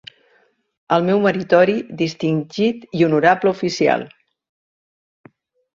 El meu meritori, distingit i honorable oficial!